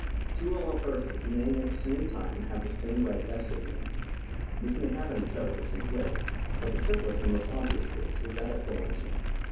Two or more persons may at the same time have the same right vested in them. This may happen in several distinct ways, but the simplest and most obvious case is that of co owner ship.